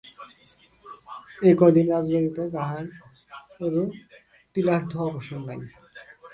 এ কয়দিন রাজবাটীতে কাহারও তিলার্ধ অবসর নাই।